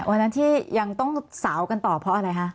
วันนั้นที่ยังต้องสาวกันต่อเพราะอะไรคะ